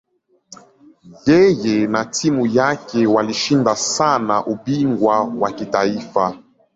Yeye na timu yake walishinda sana ubingwa wa kitaifa.